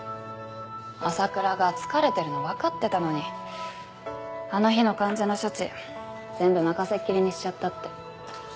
朝倉が疲れてるの分かってたのにあの日の患者の処置全部任せっきりにしちゃったって。